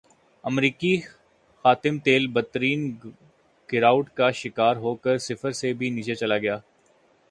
امریکی خام تیل بدترین گراوٹ کا شکار ہوکر صفر سے بھی نیچے چلا گیا